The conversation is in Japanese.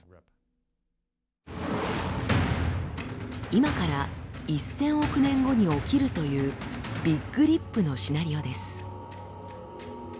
今から１，０００億年後に起きるというビッグリップのシナリオです。